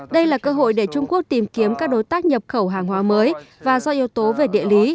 đây là cơ hội để trung quốc tìm kiếm các đối tác nhập khẩu hàng hóa mới và do yếu tố về địa lý